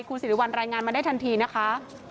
คุณสิริวัลรายงานมาได้ทันทีนะคะ